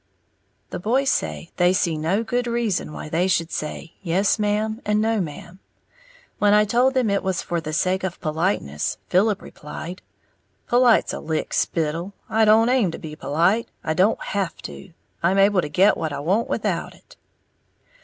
The boys say they see no good reason why they should say "yes ma'am" and "no ma'am." When I told them it was for the sake of politeness, Philip replied, "Polite's a lick spittle, I don't aim to be polite, I don't have to, I'm able to get what I want without it!"